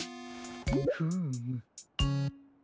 フーム。